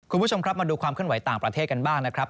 คุณผู้ชมครับมาดูความเคลื่อนไหวต่างประเทศกันบ้างนะครับ